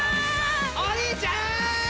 お兄ちゃん！